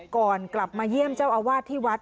ก่อนกลับมาเยี่ยมเจ้าอาวาสที่วัด